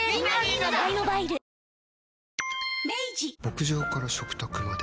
牧場から食卓まで。